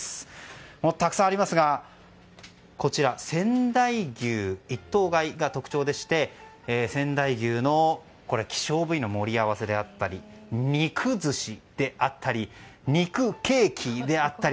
たくさんありますが仙台牛１頭買いが特徴でして仙台牛の希少部位の盛り合わせであったり肉寿司であったり肉ケーキであったり。